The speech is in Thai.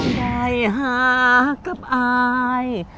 ใจหากับอาย